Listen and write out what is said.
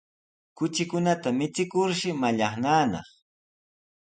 Kuchikunata michikurshi mallaqnanaq.